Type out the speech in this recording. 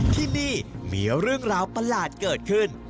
ที่นี่มีเรื่องราวประหลาดเกิดขึ้น